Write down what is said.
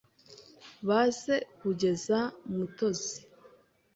Baze kugeza Mutozi